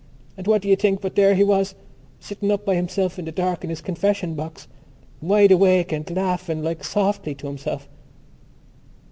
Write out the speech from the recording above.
And what do you think but there he was, sitting up by himself in the dark in his confession box, wide awake and laughing like softly to himself?"